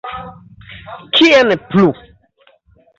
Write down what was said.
Kien plu?